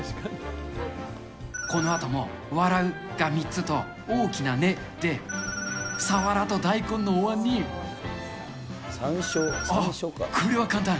このあとも、笑うが３つと大きな根で、サワラと大根のお椀に、あっ、これは簡単。